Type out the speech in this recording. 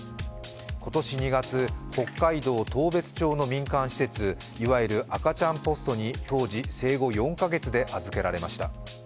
今年２月、北海道当別町の民間施設、いわゆる赤ちゃんポストに当時、生後４か月で預けられました。